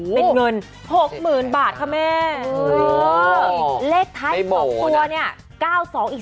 เป็นเงิน๖หมื่นบาทค่ะแม่อุ้ยเลขทัศน์ของครัวเนี่ย